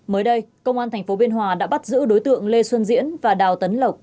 mới đây công an tp biên hòa đã bắt giữ đối tượng lê xuân diễn và đào tấn lộc